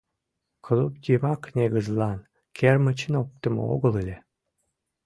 — Клуб йымак негызлан кермычым оптымо огыл ыле.